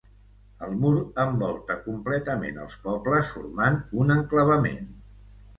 El mur envolta completament els pobles formant un enclavament.